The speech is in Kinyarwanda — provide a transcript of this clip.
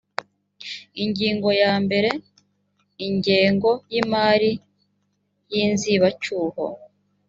ingingo ya mbere ingengo y imari y inzibacyuho